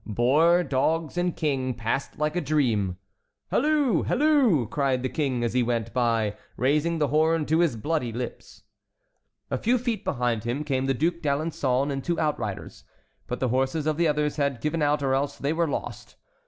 Boar, dogs, and King passed like a dream. "Halloo! halloo!" cried the King as he went by, raising the horn to his bloody lips. A few feet behind him came the Duc d'Alençon and two outriders. But the horses of the others had given out or else they were lost.